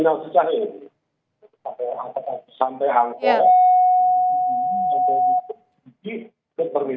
bahwa itu pak endor